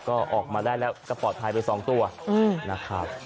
ก็ออกมาได้แล้วก็ปลอดภัยไป๒ตัวนะครับ